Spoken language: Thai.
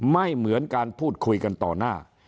ไม่เหมือนการพูดคุยกันต่อหน้า